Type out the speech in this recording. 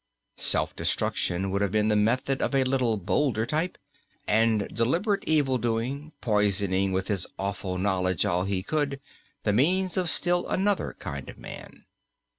Self destruction would have been the method of a little bolder type; and deliberate evil doing, poisoning with his awful knowledge all he could, the means of still another kind of man.